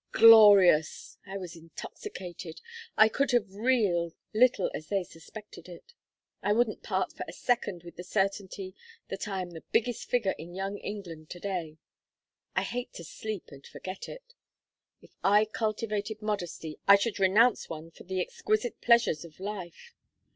Glorious! I was intoxicated I could have reeled, little as they suspected it. I wouldn't part for a second with the certainty that I am the biggest figure in young England to day. I hate to sleep and forget it. If I cultivated modesty I should renounce one of the exquisite pleasures of life.